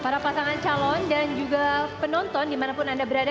para pasangan calon dan juga penonton dimanapun anda berada